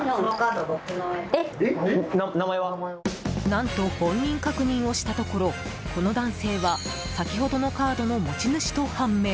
何と、本人確認をしたところこの男性は先ほどのカードの持ち主と判明。